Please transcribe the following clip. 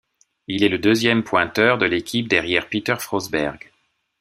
Il est le deuxième pointeur de l'équipe derrière Peter Frosberg.